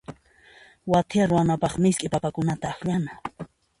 Wathiya ruwanapaqqa misk'i papakunata akllana.